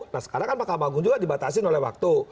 nah sekarang kan mk juga dibatasi oleh waktu